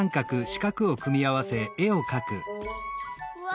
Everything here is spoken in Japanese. うわ！